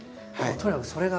とにかくそれが。